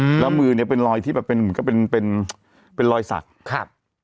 อืมแล้วมือเนี้ยเป็นรอยที่แบบเป็นเหมือนกับเป็นเป็นรอยสักครับ